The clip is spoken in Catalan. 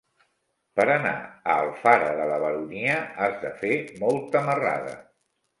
Per anar a Alfara de la Baronia has de fer molta marrada.